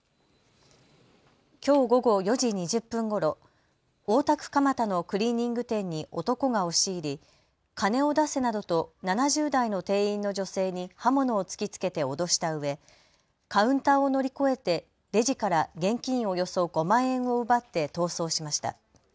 きょう午後４時２０分ごろ、大田区蒲田のクリーニング店に男が押し入り金を出せなどと７０代の店員の女性に刃物を突きつけて脅したうえカウンターを乗り越えてレジから現金およそ５万円を奪って逃走しました。